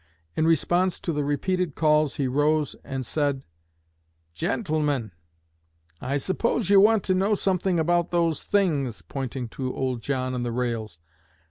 In response to the repeated calls he rose and said: 'Gentlemen, I suppose you want to know something about those things' (pointing to old John and the rails).